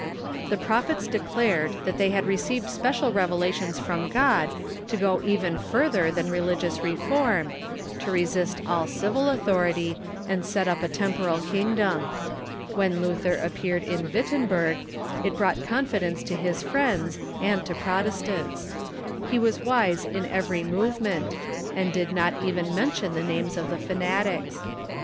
The Prophets declared that they had received special revelations from God to go even further than religious reform, to resist all civil author ity, and set up a temporal kingdom. When Luther appeared in Wittenberg it brought confidence to his friends, and to Protestants. He was wise in every movement, and did not even mention the names of the fanatics.